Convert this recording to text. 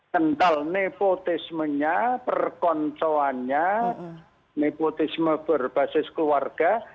tental nepotismenya perkoncoannya nepotisme berbasis keluarga